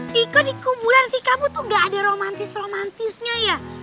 tiko di kuburan sih kamu tuh gak ada romantis romantisnya ya